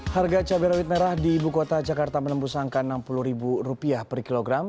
harga cabai rawit merah di ibu kota jakarta menembus angka rp enam puluh per kilogram